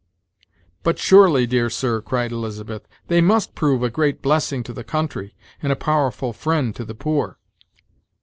"But surely, dear sir," cried Elizabeth, "they must prove a great blessing to the country, and a powerful friend to the poor."